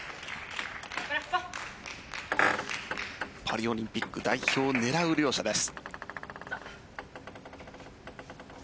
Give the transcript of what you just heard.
パリオリンピック代表を狙う両者です。